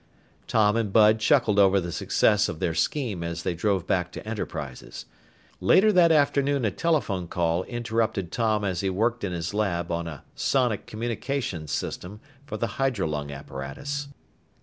Tom and Bud chuckled over the success of their scheme as they drove back to Enterprises. Later that afternoon a telephone call interrupted Tom as he worked in his lab on a sonic communications system for the hydrolung apparatus.